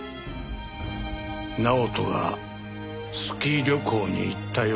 直人がスキー旅行に行った夜。